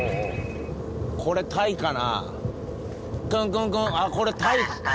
これタイかな？